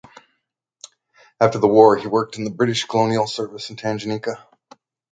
After the war he worked in the British Colonial Service in Tanganyka.